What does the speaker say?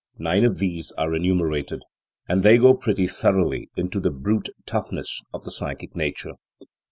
Nine of these are enumerated, and they go pretty thoroughly into the brute toughness of the psychic nature.